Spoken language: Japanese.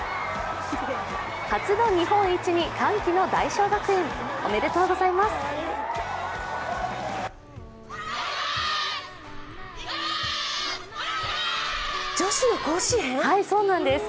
初の日本一に歓喜の大商学園おめでとうございます。